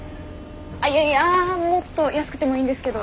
あっいやいやもっと安くてもいいんですけど。